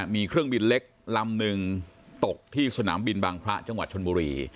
มีเครื่องบินเล็กลำหนึ่งตกที่สนามบินบางพระจังหวัดชนบุรี